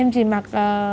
em chỉ mặc